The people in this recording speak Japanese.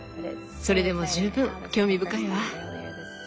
それでも十分興味深いわ。